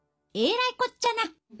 えらいこっちゃな。